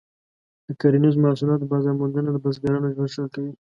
د کرنیزو محصولاتو بازار موندنه د بزګرانو ژوند ښه کوي.